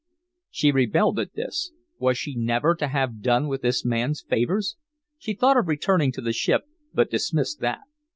She rebelled at this. Was she never to have done with this man's favors? She thought of returning to the ship, but dismissed that.